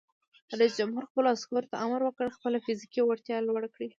رئیس جمهور خپلو عسکرو ته امر وکړ؛ خپله فزیکي وړتیا لوړه کړئ!